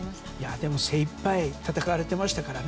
でも、精いっぱい戦われてましたからね。